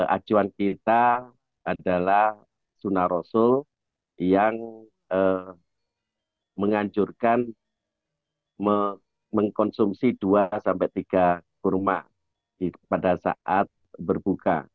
acuan kita adalah sunnah rasul yang menganjurkan mengkonsumsi dua tiga kurma pada saat berbuka